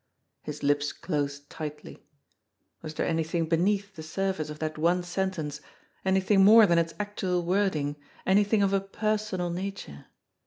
His lips closed tightly. Was there anything beneath the surface of that one sentence, anything more than its actual wording, anything of a personal nature?